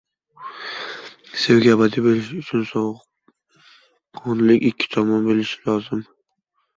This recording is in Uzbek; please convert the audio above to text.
— Sevgi abadiy bo‘lishi uchun sovuqqonlik ikki tomondan bo‘lishi lozim.